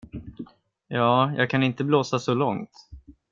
Ja, jag kan inte blåsa så långt.